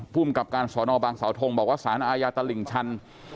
ผู้มกับการสนบสาวทงบอกว่าสอตลิ่งชัน